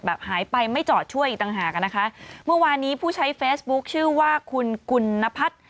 หายไปไม่จอดช่วยอีกต่างหากอ่ะนะคะเมื่อวานนี้ผู้ใช้เฟซบุ๊คชื่อว่าคุณกุณนพัฒน์